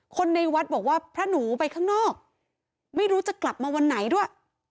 คนในวัดบอกว่าพระหนูไปข้างนอกไม่รู้จะกลับมาวันไหนด้วย